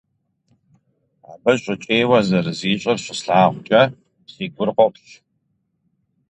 Абы щӀыкӀейуэ зэрызищӀыр щыслъагъукӀэ, си гур къоплъ.